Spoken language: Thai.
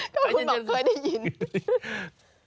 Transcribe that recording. ก็คุณบอกเคยได้ยิน